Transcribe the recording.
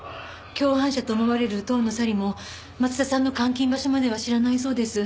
共犯者と思われる遠野紗里も松田さんの監禁場所までは知らないそうです。